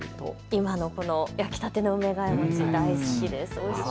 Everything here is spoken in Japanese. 今の焼きたての梅ヶ枝餅大好きです。